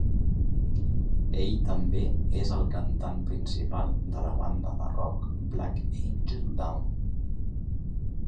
Ell també és el cantant principal de la banda de rock Black Angel Down.